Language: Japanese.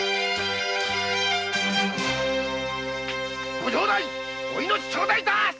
ご城代お命ちょうだい致す